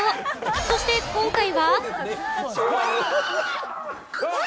そして今回は。